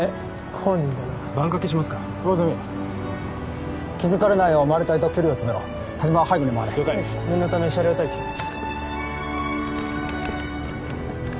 本人だなバンカケしますか魚住気づかれないようマル対と距離を詰めろ田島は背後に回れ了解念のため車両待機します